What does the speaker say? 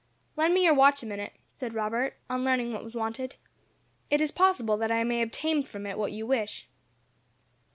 "Lend me your watch a minute," said Robert, on learning what was wanted. "It is possible that I may obtain from it what you wish."